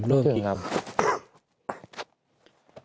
อืมร่วมกี่